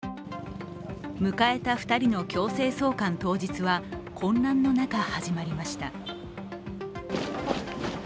迎えた２人の強制送還当日は混乱の中、始まりました。